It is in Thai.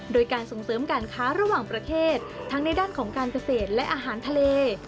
โดยการส่งเสริมการค้าระหว่างประเทศทั้งในด้านของการเกษตรและอาหารทะเล